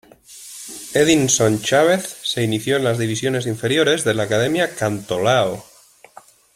Edinson Chávez se inició en las divisiones inferiores de la Academia Cantolao.